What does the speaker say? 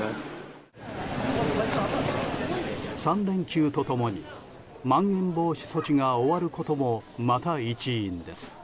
３連休と共にまん延防止措置が終わることもまた一因です。